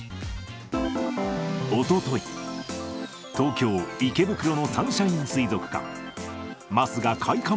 おととい、東京・池袋のサンシャイン水族館。